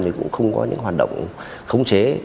mình cũng không có những hoạt động khống chế